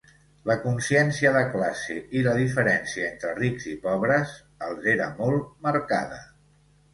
La consciència de classe i la diferència entre rics i pobres els era molt marcada.